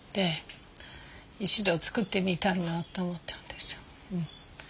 一度作ってみたいなと思ったんです。